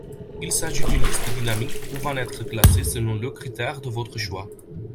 Il s'agit d'une liste dynamique pouvant être classée selon le critère de votre choix.